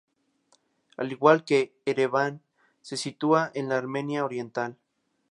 Al igual que Ereván, se sitúa en la Armenia Oriental.